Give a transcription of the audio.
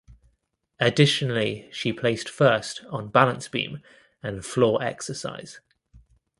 Additionally she placed first on balance beam and floor exercise.